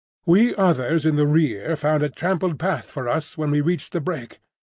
We others in the rear found a trampled path for us when we reached the brake.